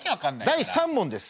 第３問です。